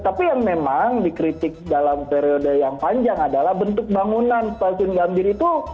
tapi yang memang dikritik dalam periode yang panjang adalah bentuk bangunan stasiun gambir itu